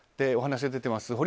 お話が出ています